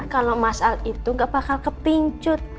kalo mas al itu gak bakal kepincut